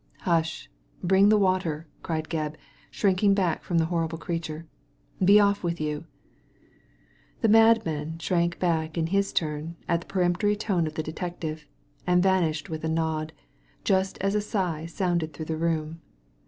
Hush I Bring the water/' cried Gebb, shrinking back from the horrible creature. Be off with you I " The madman shrank back in his turn at the peremptory tone of the detective, and vanished with a nod, just as a sigh sounded through the room.